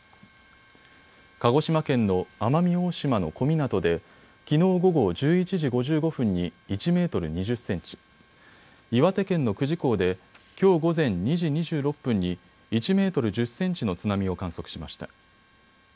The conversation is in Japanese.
鹿児島県の奄美大島の小湊できのう午後１１時５５分に１メートル２０センチ、岩手県の久慈港できょう午前２時２６分に１メートル１０センチの津波を観測しました。